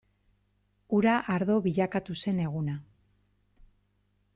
Ura ardo bilakatu zen eguna.